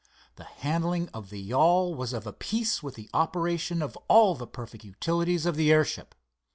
The handling of the yawl was of a piece with the operation of all the perfect utilities of the airship.